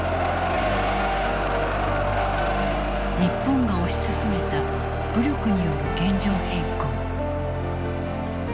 日本が推し進めた武力による現状変更。